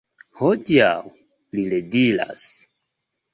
Hodiaŭ!? li rediras.